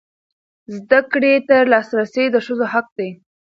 زده کړې ته لاسرسی د ښځو حق دی.